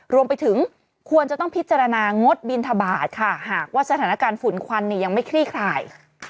รวมไปถึงควรจะต้องพิจารณางดบินทบาทค่ะหากว่าสถานการณ์ฝุ่นควันเนี่ยยังไม่คลี่คลาย